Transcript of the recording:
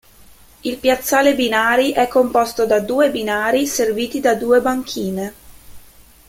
Il piazzale binari è composto da due binari serviti da due banchine.